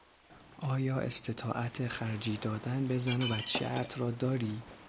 آیا استطاعت خرجی دادن به زن و بچهات را داری؟